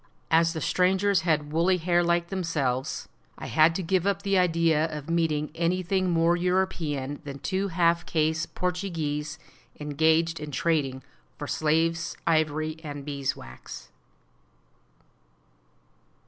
As the strangers had woolly hair like themselves, I had to give up the idea of meeting anything more European than two half caste Portuguese engaged in trading for slaves, ivory, and beeswax.